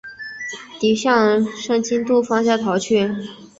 敌向申津渡方向逃去。